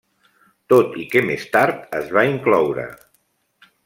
Tot i que més tard es va incloure.